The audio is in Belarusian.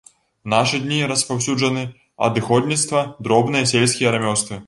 У нашы дні распаўсюджаны адыходніцтва, дробныя сельскія рамёствы.